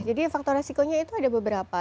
jadi faktor resikonya itu ada beberapa